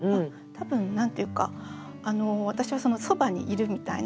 多分何て言うか私はそばにいるみたいな。